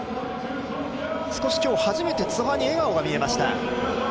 少し今日初めて、津波に笑顔が見えました。